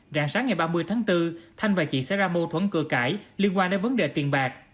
rạng sáng ngày ba mươi tháng bốn thanh và chị sẽ ra mô thuẫn cơ cải liên quan đến vấn đề tiền bạc